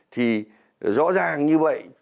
thì rõ ràng như vậy